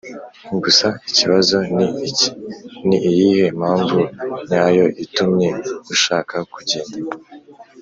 Gusa ikibazo ni iki ni iyihe mpamvu nyayo itumye ushaka kugenda